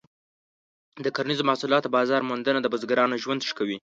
د کرنیزو محصولاتو بازار موندنه د بزګرانو ژوند ښه کوي.